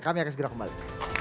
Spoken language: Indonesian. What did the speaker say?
kami akan segera kembali